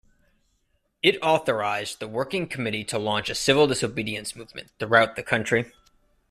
It authorised the Working Committee to launch a civil disobedience movement throughout the country.